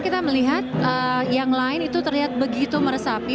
kita melihat yang lain itu terlihat begitu meresapi